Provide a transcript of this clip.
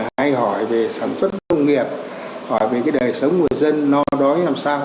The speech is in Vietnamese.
hay hỏi về sản xuất công nghiệp hỏi về cái đời sống của dân no đói làm sao